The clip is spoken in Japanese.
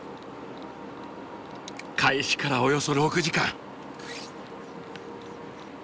開始からおよそ６時間。